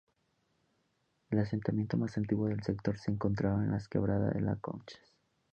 El asentamiento más antiguo del sector se encontraba en la quebrada de las Conchas.